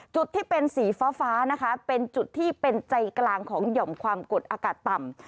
จุดที่เป็นสีฟ้านะคะเป็นจุดที่เป็นใจกลางของหย่อมความกดอากาศต่ำ